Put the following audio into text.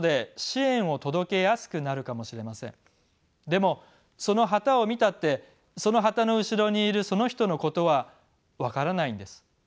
でもその旗を見たってその旗の後ろにいるその人のことは分からないんです。